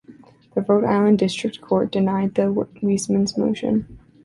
The Rhode Island district court denied the Weismans' motion.